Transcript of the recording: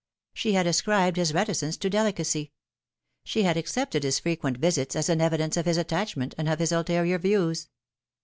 She had ascribed his reticence to delicacy. She had accepted his frequent visits as an evidence of his attachment and of his ulterior views.